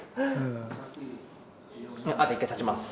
あと一回立ちます。